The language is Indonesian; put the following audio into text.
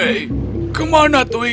hei kemana tui